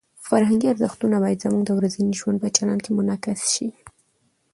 فرهنګي ارزښتونه باید زموږ د ورځني ژوند په چلند کې منعکس شي.